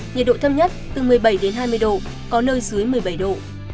nhiệt độ thấp nhất từ một mươi bảy đến hai mươi độ có nơi dưới một mươi bảy độ